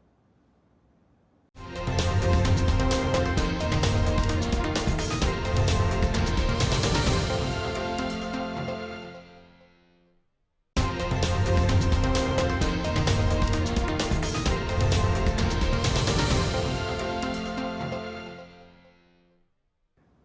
kita ikut barisan yang menang